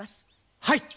はい。